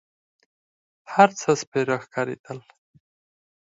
هر څه سپېره ښکارېدل.